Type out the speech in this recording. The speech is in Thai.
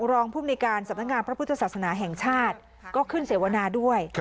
รองภูมิในการสำนักงานพระพุทธศาสนาแห่งชาติก็ขึ้นเสวนาด้วย